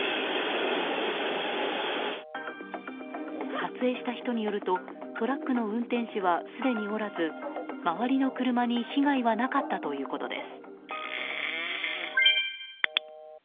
撮影した人によるとトラックの運転手はすでにおらず周りの車に被害はなかったということです。